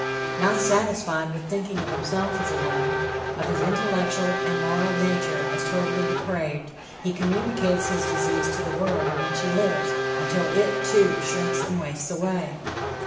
Not satisfied with thinking of himself as a worm, of his intellectual and moral nature as totally depraved, he communicates his disease to the world in which he lives until it, too, shrinks and wastes away.